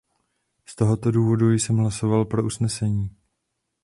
Z tohoto důvodu jsem hlasoval pro usnesení.